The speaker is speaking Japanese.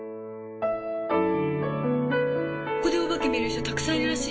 ここでお化け見る人たくさんいるらしいよ。